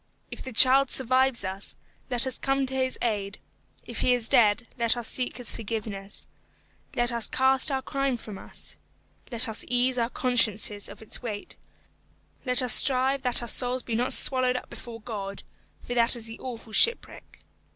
If the child survives us, let us come to his aid; if he is dead, let us seek his forgiveness. Let us cast our crime from us. Let us ease our consciences of its weight. Let us strive that our souls be not swallowed up before God, for that is the awful shipwreck.